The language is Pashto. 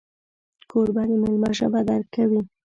کوربه د میلمه ژبه درک کوي.